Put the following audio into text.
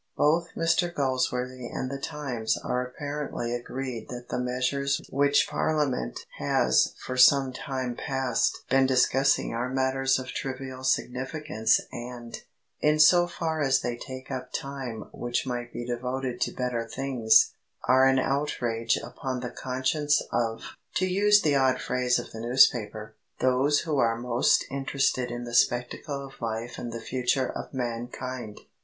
Both Mr Galsworthy and the Times are apparently agreed that the measures which Parliament has for some time past been discussing are matters of trivial significance and, in so far as they take up time which might be devoted to better things, are an outrage upon the conscience of (to use the odd phrase of the newspaper) "those who are most interested in the spectacle of life and the future of mankind."